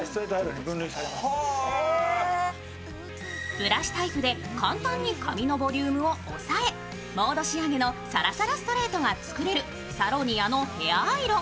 ブラシタイプで簡単に髪のボリュームを抑え、モード仕様のサラサラストレートが作れるサロニアのヘアアイロン。